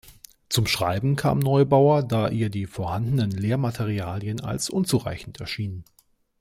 Zum Schreiben kam Neubauer, da ihr die vorhandenen Lehrmaterialien als unzureichend erschienen.